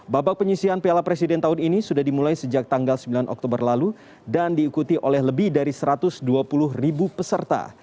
babak penyisian piala presiden tahun ini sudah dimulai sejak tanggal sembilan oktober lalu dan diikuti oleh lebih dari satu ratus dua puluh ribu peserta